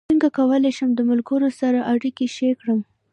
څنګه کولی شم د ملګرو سره اړیکې ښې کړم